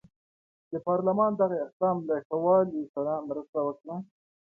د پارلمان دغه اقدام له ښه والي سره مرسته وکړه.